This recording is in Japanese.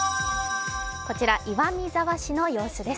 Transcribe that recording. こちら岩見沢市の様子です。